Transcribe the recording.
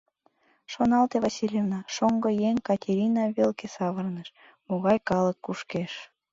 Шоналте, Васильевна, — шоҥго еҥ Катерина велке савырныш, — могай калык кушкеш.